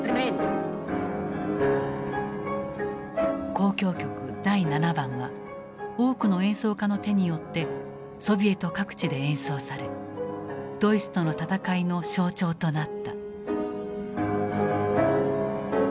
「交響曲第７番」は多くの演奏家の手によってソビエト各地で演奏されドイツとの戦いの象徴となった。